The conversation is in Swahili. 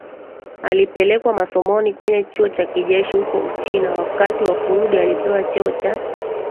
alipelekwa masomoni kwenye chuo cha kijeshi huko Uchina Wakati wa kurudi alipewa cheo cha